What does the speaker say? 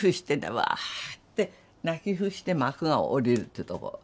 「わ」って泣き伏して幕が下りるっていうとこ。